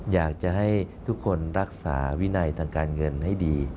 อยากจะให้ทุกคนรักษาวินัยทางการเงินให้ดี